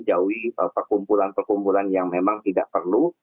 jauhi perkumpulan perkumpulan yang memang tidak perlu